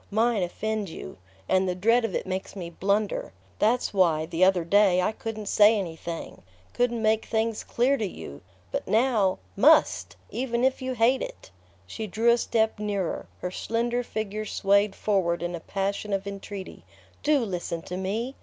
Mine offend you ... and the dread of it makes me blunder. That's why, the other day, I couldn't say anything ... couldn't make things clear to you. But now MUST, even if you hate it!" She drew a step nearer, her slender figure swayed forward in a passion of entreaty. "Do listen to me!